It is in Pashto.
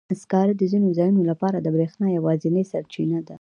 سکاره د ځینو ځایونو لپاره د برېښنا یوازینی سرچینه ده.